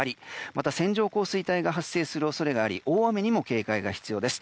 また、線状降水帯が発生する恐れがあり大雨にも警戒が必要です。